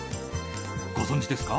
ご存じですか？